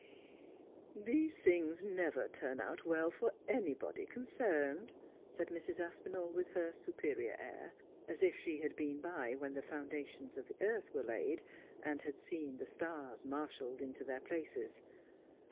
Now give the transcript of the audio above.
'These things never turn out well for anybody concerned,' said Mrs. Aspinall, with her superior air, as if she had been by when the foundations of the earth were laid, and had seen the stars marshalled into their places.